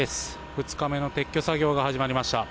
２日目の撤去作業が始まりました。